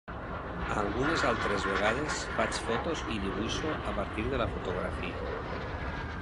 Algunes altres vegades faig fotos i dibuixo a partir de la fotografia.